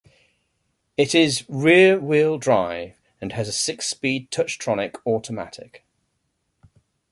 It is rear-wheel drive and has a six-speed Touchtronic automatic.